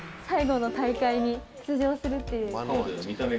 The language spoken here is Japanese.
最後の大会に出場するって。